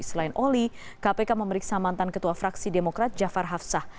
selain oli kpk memeriksa mantan ketua fraksi demokrat jafar hafsah